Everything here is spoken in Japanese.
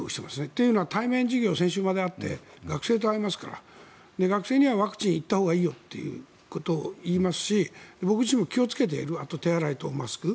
というのは対面授業が先週まであって学生と会いますから学生にはワクチン行ったほうがいいよと言いますし僕自身も気をつけて手洗いとマスク。